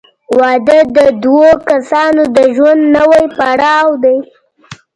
• واده د دوه کسانو د ژوند نوی پړاو دی.